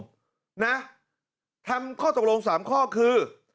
นะทำข้อตกลง๓ข้อคือ